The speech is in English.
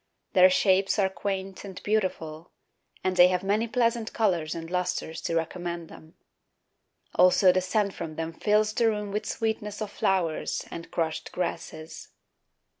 Their shapes are quaint and beautiful, And they have many pleasant colours and lustres To recommend them. Also the scent from them fills the room With sweetness of flowers and crushed grasses.